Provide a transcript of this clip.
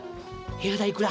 部屋代いくら？